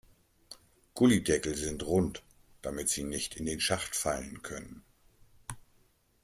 Gullydeckel sind rund, damit sie nicht in den Schacht fallen können.